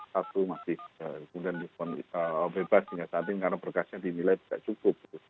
satu masih kemudian bebas hingga saat ini karena berkasnya dinilai tidak cukup